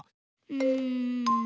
うん。